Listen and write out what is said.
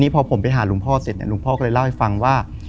คือก่อนอื่นพี่แจ็คผมได้ตั้งชื่อเอาไว้ชื่อเอาไว้ชื่อเอาไว้ชื่อ